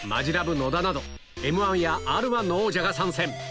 野田など『Ｍ−１』や『Ｒ−１』の王者が参戦